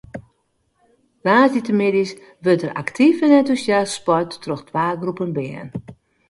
Woansdeitemiddeis wurdt der aktyf en entûsjast sport troch twa groepen bern.